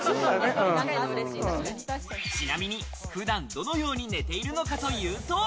ちなみに普段、どのように寝ているのかというと。